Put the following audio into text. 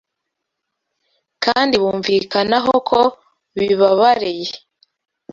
kandi bumvikanaho ko bibabareye